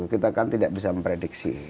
kita kan tidak bisa memprediksi